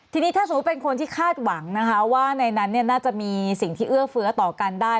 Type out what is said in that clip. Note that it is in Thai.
ทีนี้ถ้าสมมุติเป็นคนที่คาดหวังนะคะว่าในนั้นน่าจะมีสิ่งที่เอื้อเฟื้อต่อกันได้